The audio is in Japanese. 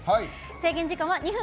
制限時間は２分。